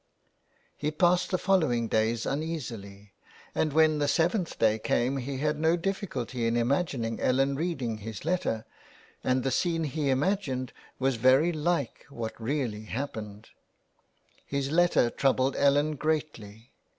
He passed the following days uneasily, and when the seventh day came he had no difficulty in imagin ing Ellen reading his letter, and the scene he imagined 335 THE WILD GOOSE. was very like what really happened. His letter troubled Ellen greatly.